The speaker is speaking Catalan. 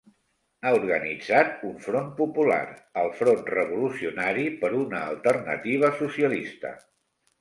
Ha organitzat un front popular, el Front Revolucionari per una Alternativa Socialista.